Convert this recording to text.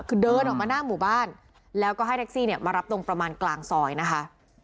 คือเดินออกมาหน้าหมู่บ้านแล้วก็ให้แท็กซี่เนี่ยมารับตรงประมาณกลางซอยนะคะ